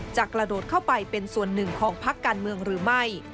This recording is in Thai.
จะกระโดดเข้าไปเป็นส่วนหนึ่งของพักการเมืองหรือไม่